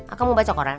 akang mau baca koran